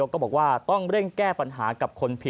ก็บอกว่าต้องเร่งแก้ปัญหากับคนผิด